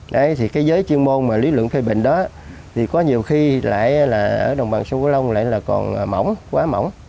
đấy thì cái giới chuyên môn mà lý lượng phê bình đó thì có nhiều khi lại là ở đồng bằng sông cửu long lại là còn mỏng quá mỏng